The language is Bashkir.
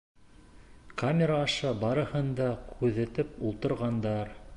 Камера аша барыһын да күҙәтеп ултырғандар.